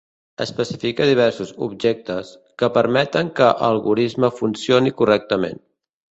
Especifica diversos "objectes" que permeten que algorisme funcioni correctament.